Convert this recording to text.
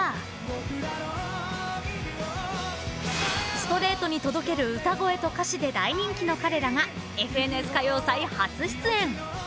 ［ストレートに届ける歌声と歌詞で大人気の彼らが『ＦＮＳ歌謡祭』初出演］